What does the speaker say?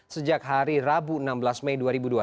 sejak hari rabu enam belas mei dua ribu dua puluh